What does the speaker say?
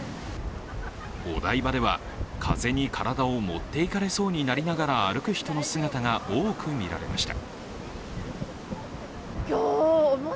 お台場では、風に体をもっていかれそうになりながら歩く人の姿が多く見られました。